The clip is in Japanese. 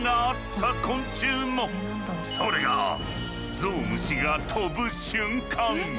それがゾウムシが飛ぶ瞬間。